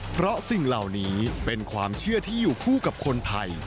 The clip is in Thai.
เพราะสิ่งเหล่านี้เป็นความเชื่อที่อยู่คู่กับคนไทย